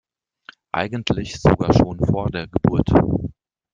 Eigentlich sogar schon vor der Geburt.